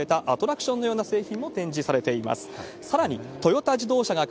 自動車の枠を超えたアトラクションのような製品も開発されています。